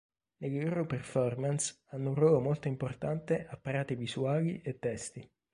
Nelle loro performance hanno un ruolo molto importante apparati visuali e testi.